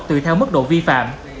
tùy theo mức độ vi phạm